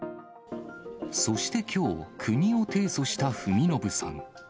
そしてきょう、国を提訴した文信さん。